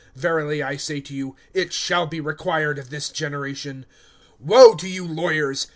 Verily I say to you, it shall be required of this generation. (52)Woe to you lawyers!